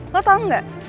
lo tau gak